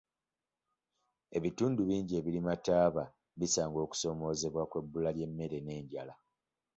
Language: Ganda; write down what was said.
Ebitundu bingi ebirima taaba bisanga okusoomoozebwa kw'ebbula ly'emmere n'enjala.